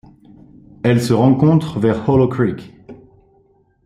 Elle se rencontre vers Hollow Creek.